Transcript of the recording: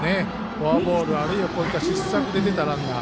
フォアボール、あるいはこういった失策で出たランナー。